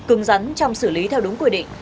cưng rắn trong xử lý theo đúng quy định